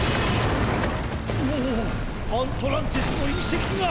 おおアントランティスのいせきが。